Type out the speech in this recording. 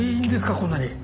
こんなに。